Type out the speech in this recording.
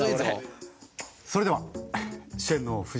それでは。